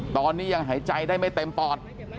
ตอนนี้ยังหายใจได้ไม่เต็มปอด